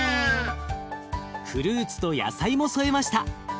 フルーツと野菜も添えました。